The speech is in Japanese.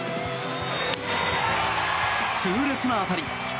痛烈な当たり。